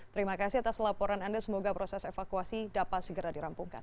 terima kasih atas laporan anda semoga proses evakuasi dapat segera dirampungkan